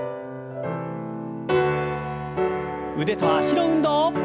腕と脚の運動。